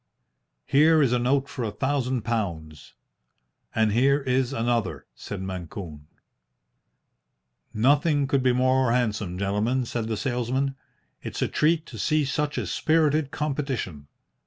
"Here is a note for a thousand pounds." "And here is another," said Mancune. "Nothing could be more handsome, gentlemen," said the salesman. "It's a treat to see such a spirited competition.